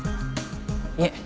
いえ。